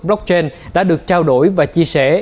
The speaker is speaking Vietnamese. blockchain đã được trao đổi và chia sẻ